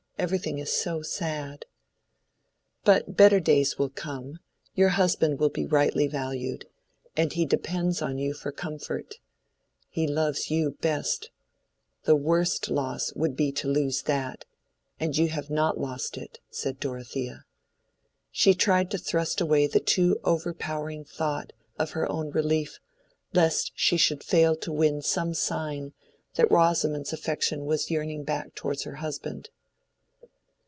Everything is so sad." "But better days will come. Your husband will be rightly valued. And he depends on you for comfort. He loves you best. The worst loss would be to lose that—and you have not lost it," said Dorothea. She tried to thrust away the too overpowering thought of her own relief, lest she should fail to win some sign that Rosamond's affection was yearning back towards her husband.